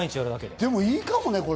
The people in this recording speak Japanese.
でもいいかもね。